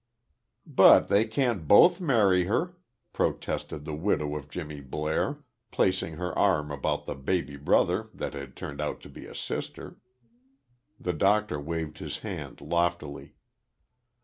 "But they can't both marry her," protested the widow of Jimmy Blair, placing her arm about the baby brother that had turned out to be a sister. The Doctor waved his hand, loftily.